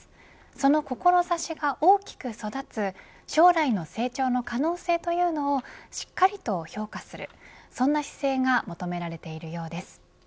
その志が大きく育つ将来の成長の可能性というのをしっかりと評価するそんな姿勢が求められているようです。